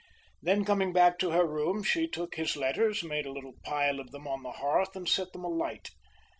Then coming back to her room she took his letters, made a little pile of them on the hearth and set them alight.